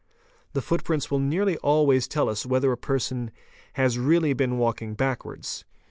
The footprints will nearly always tell us whether a person has really been walking backwards.